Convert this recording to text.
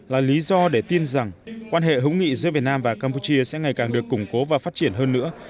là lý do để tin rằng quan hệ hữu nghị giữa việt nam và campuchia sẽ ngày càng được củng cố và phát triển hơn nữa